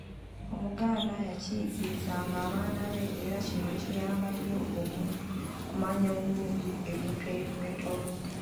Omuganda yakiyigirizanga abaana be era kino kiyamba nnyo omuntu okumanya obulungi ebintu ebimwetoloodde.